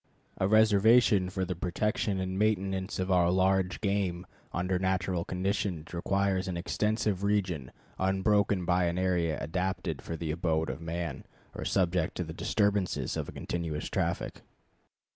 A reservation for the protection and maintenance of our large game under natural conditions requires an extensive region unbroken by an area adapted for the abode of man or subject to the disturbances of a continuous traffic.